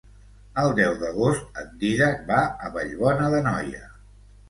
El deu d'agost en Dídac va a Vallbona d'Anoia.